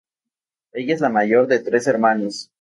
Ella es la mayor de tres hermanos.